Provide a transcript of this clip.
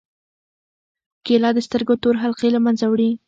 کېله د سترګو تور حلقې له منځه وړي.